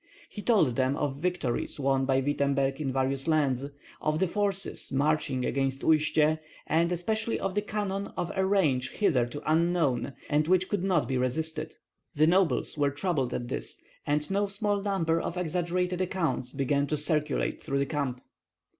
He told them of victories won by Wittemberg in various lands, of the forces marching against Uistsie, and especially of the cannon of a range hitherto unknown and which could not be resisted. The nobles were troubled at this, and no small number of exaggerated accounts began to circulate through the camp.